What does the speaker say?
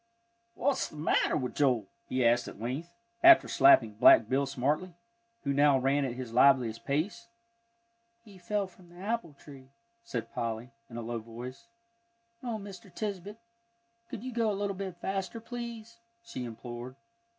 "What's th' matter with Joel?" he asked at length, after slapping Black Bill smartly, who now ran at his liveliest pace. "He fell from the apple tree," said Polly, in a low voice. "Oh, Mr. Tisbett, could you go a little bit faster, please?" she implored.